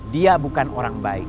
dia bukan orang baik